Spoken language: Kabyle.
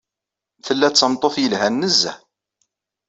Tella d tameṭṭut yelhan nezzeh.